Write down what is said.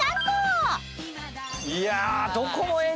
いや！